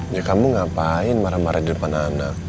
ya kamu ngapain marah marah di depan anak